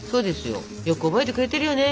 よく覚えてくれてるよね